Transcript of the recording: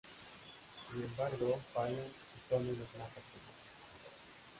Sin embargo fallan y Tony los mata primero.